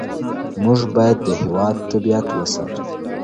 موږ باید د هېواد طبیعت وساتو.